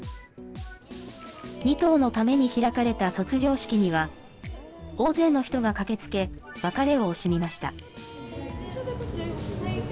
２頭のために開かれた卒業式には、大勢の人が駆けつけ、別れを惜しみました。